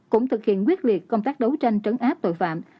cũng thực hiện quyết liệt công tác đấu tranh trấn áp tội phạm